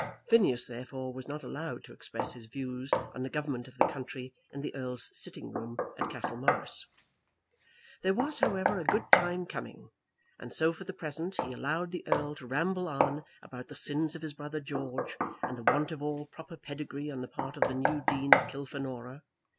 Phineas, therefore, was not allowed to express his views on the government of the country in the Earl's sitting room at Castlemorris. There was, however, a good time coming; and so, for the present, he allowed the Earl to ramble on about the sins of his brother George, and the want of all proper pedigree on the part of the new Dean of Kilfenora.